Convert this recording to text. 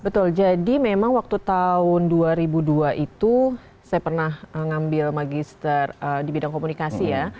betul jadi memang waktu tahun dua ribu dua itu saya pernah ngambil magister di bidang komunikasi ya